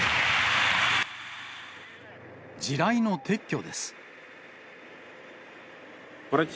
地雷の撤去です。